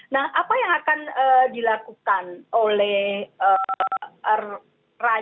nah apa yang akan dilakukan oleh raja